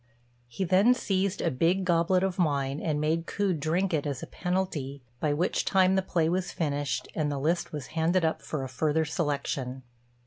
He then seized a big goblet of wine, and made Ku drink it as a penalty, by which time the play was finished, and the list was handed up for a further selection.